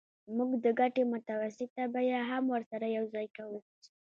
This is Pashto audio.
موږ د ګټې متوسطه بیه هم ورسره یوځای کوو